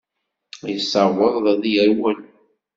Yessaweḍ ad yerwel.